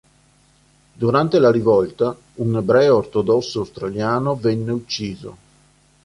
Durante la rivolta, un ebreo ortodosso australiano venne ucciso.